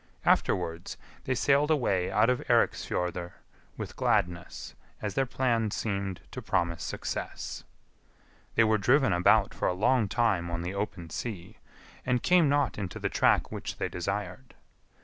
Afterwards they sailed away out of Eiriksfjordr with gladness, as their plan seemed to promise success. They were driven about for a long time on the open sea, and came not into the track which they desired.